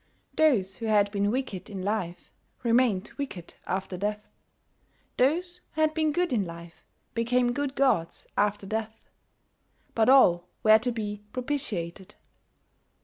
Those who had been wicked in life remained wicked after death; those who had been good in life became good gods after death; but all were to be propitiated.